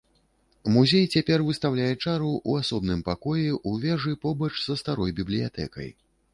Музей цяпер выстаўляе чару ў асобным пакоі ў вежы побач са старой бібліятэкай.